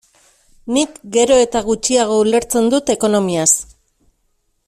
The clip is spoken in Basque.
Nik gero eta gutxiago ulertzen dut ekonomiaz.